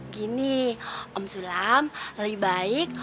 gini om sulam lebih baik